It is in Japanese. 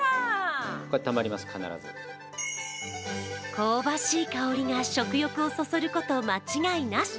香ばしい香りが食欲をそそること間違いなし。